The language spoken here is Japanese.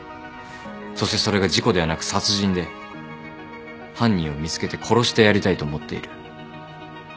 そしてそれが事故ではなく殺人で犯人を見つけて殺してやりたいと思っている。